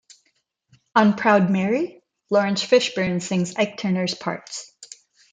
On "Proud Mary," Laurence Fishburne sings Ike Turner's parts.